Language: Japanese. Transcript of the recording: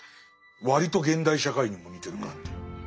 割と現代社会にも似てる感じ。